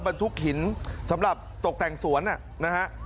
บรรทุกหินสำหรับตกแต่งสวนนะฮะ